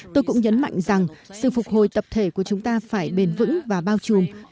tôi cũng nhấn mạnh rằng sự phục hồi tập thể của chúng ta phải bền vững và bao trùm